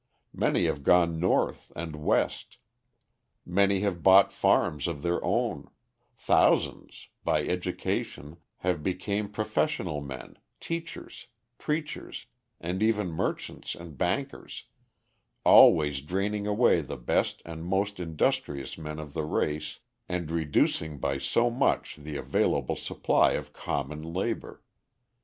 Many have gone North and West, many have bought farms of their own, thousands, by education, have became professional men, teachers, preachers, and even merchants and bankers always draining away the best and most industrious men of the race and reducing by so much the available supply of common labour.